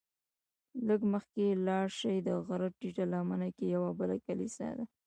لږ مخکې چې لاړ شې د غره ټیټه لمنه کې یوه بله کلیسا ده.